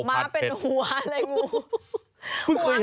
ม้าเป็นหัวเลยงู